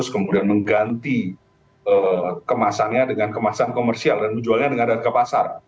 kemudian mengganti kemasannya dengan kemasan komersial dan menjualnya dengan harga pasar